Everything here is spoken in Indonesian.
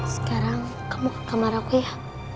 sekarang kamu ke kamar aku ya